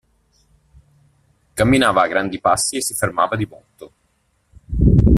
Camminava a grandi passi, e si fermava di botto.